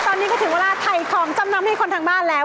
ตอนนี้ก็ถึงเวลาถ่ายของจำนำให้คนทางบ้านแล้ว